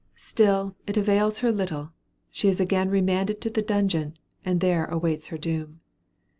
Still it avails her little; she is again remanded to the dungeon, and there awaits her doom.